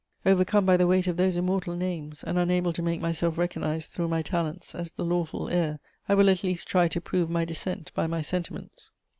Overcome by the weight of those immortal names, and unable to make myself recognised through my talents as the lawful heir, I will at least try to prove my descent by my sentiments.